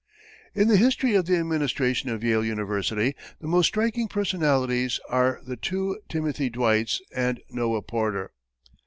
In the history of the administration of Yale university, the most striking personalities are the two Timothy Dwights and Noah Porter.